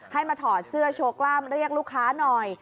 ให้มาถอดเสื้อโชว์กล้ามเรียกลูกค้าหน่อย